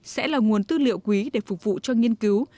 sẽ là nguồn tư liệu quý để phục vụ cho nghiên cứu